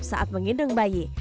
saat menggendong bayi